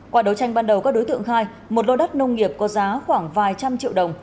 qua đấu tranh ban đầu các đối tượng khai một lô đất nông nghiệp có giá khoảng vài trăm triệu đồng